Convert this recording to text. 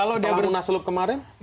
setelah munas loop kemarin